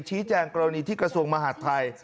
แจ้งกรณีที่กระทรวงมหาดไทย